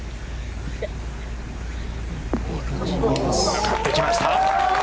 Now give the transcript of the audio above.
向かってきました。